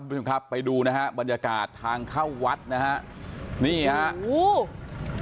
คุณผู้ชมครับไปดูนะฮะบรรยากาศทางเข้าวัดนะฮะนี่ฮะอู้